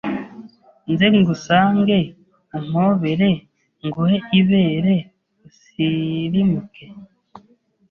Nze ngusange umpobere Nguhe ibere usirimuke.